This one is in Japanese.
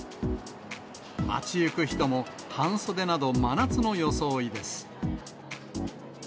街行く人も半袖など、真夏の装いです。